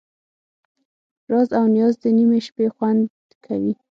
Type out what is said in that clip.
راز او نیاز د نیمې شپې خوند کوي.